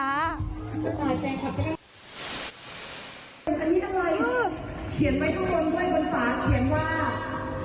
ทำไมเป็นหอยไร้ไม่เหมือนจะอย่างไร